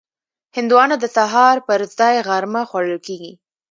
هندوانه د سهار پر ځای غرمه خوړل کېږي.